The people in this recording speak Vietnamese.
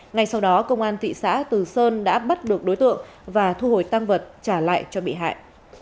ngay sau đó công an thị xã từ sơn đã bắt được đối tượng và thu hồi tăng vật trả lại cho bị hại